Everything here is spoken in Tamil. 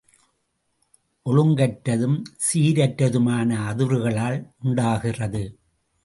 ஒழுங்கற்றதும் சீரற்றதுமான அதிர்வுகளால் உண்டாகிறது.